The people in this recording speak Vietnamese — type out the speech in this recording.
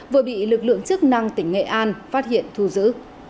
vừa bị lực lượng chức năng tỉnh nghệ an phát hiện thu giữ